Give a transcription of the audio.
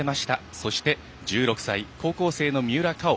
そして、１６歳高校生の三浦佳生。